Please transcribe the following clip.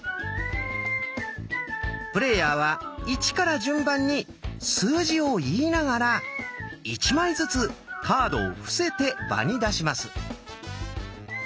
プレーヤーは「１」から順番に数字を言いながら１枚ずつカードを伏せて場に出します。